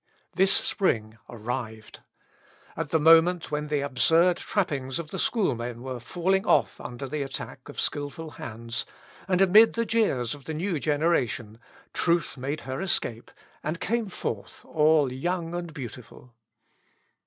This spring arrived. At the moment when the absurd trappings of the schoolmen were falling off under the attack of skilful hands, and amid the jeers of the new generation, truth made her escape, and came forth all young and beautiful.